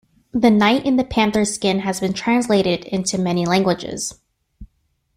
"The Knight in the Panther's Skin" has been translated into many languages.